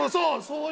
そう。